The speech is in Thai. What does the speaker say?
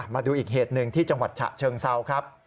มาดูอีกเหตุหนึ่งที่จังหวัดฉะเชิงเซาครับ